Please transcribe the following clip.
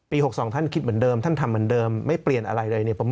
๖๒ท่านคิดเหมือนเดิมท่านทำเหมือนเดิมไม่เปลี่ยนอะไรเลยเนี่ย